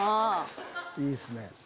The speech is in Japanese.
いいっすね。